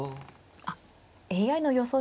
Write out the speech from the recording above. あっＡＩの予想